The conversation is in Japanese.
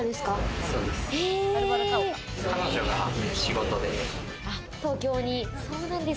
彼女が仕事で。